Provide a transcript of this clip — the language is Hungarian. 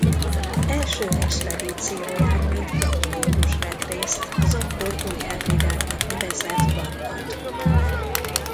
Első expedícióján mint geológus vett részt az akkor Új-Hebridáknak nevezett Vanuatun.